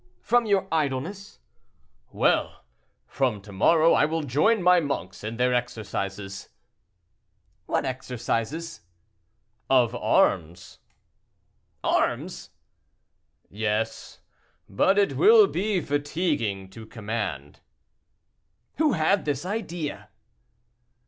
"From your idleness." "Well! from to morrow I will join my monks in their exercises." "What exercises?" "Of arms." "Arms!" "Yes; but it will be fatiguing to command." "Who had this idea?"